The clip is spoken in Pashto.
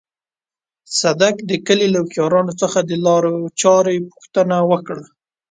صدک د کلي له هوښيارانو څخه د لارې چارې پوښتنه وکړه.